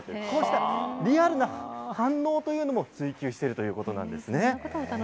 こうしたリアルな反応というのも追求しているということなんですね。